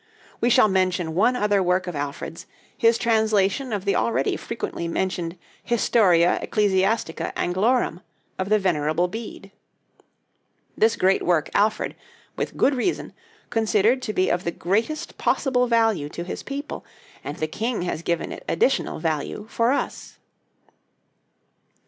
We shall mention one other work of Alfred's, his translation of the already frequently mentioned 'Historia Ecclesiastica Anglorum' of the Venerable Bede. This great work Alfred, with good reason, considered to be of the greatest possible value to his people; and the king has given it additional value for us.